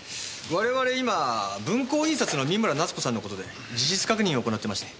我々今文光印刷の三村奈津子さんのことで事実確認を行ってまして。